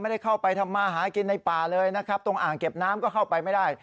ได้เข้าไปทำมาหากินในป่าเลยนะครับตรงอ่างเก็บน้ำก็เข้าไปไม่ได้